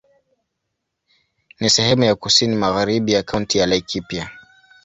Ni sehemu ya kusini magharibi ya Kaunti ya Laikipia.